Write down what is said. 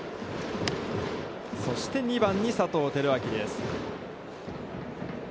そして２番に佐藤輝明です。